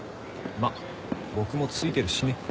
まあ僕もついてるしね。